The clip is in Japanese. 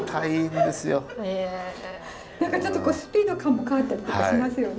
何かちょっとスピード感も変わったりとかしますよね。